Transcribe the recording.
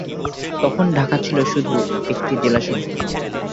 তখন ঢাকা ছিল শুধুই একটি জেলা শহর।